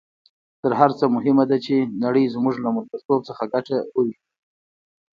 تر هر څه مهمه ده چې نړۍ زموږ له ملګرتوب څخه ګټه وویني.